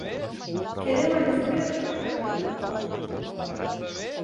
Quedem a l'espera del pagament, doncs.